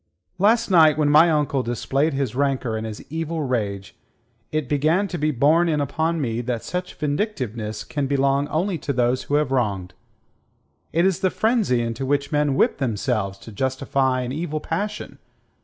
"Last night when my uncle displayed his rancour and his evil rage, it began to be borne in upon me that such vindictiveness can belong only to those who have wronged. It is the frenzy into which men whip themselves to justify an evil passion.